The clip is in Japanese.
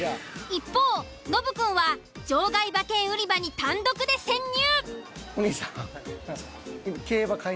一方ノブくんは場外馬券売り場に単独で潜入。